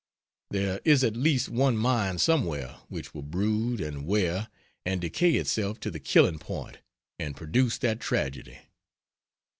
There is at least one mind somewhere which will brood, and wear, and decay itself to the killing point and produce that tragedy.